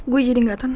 gue jadi gak tenang